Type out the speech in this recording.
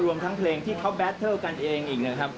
ทั้งเพลงที่เขาแบตเทิลกันเองอีกนะครับ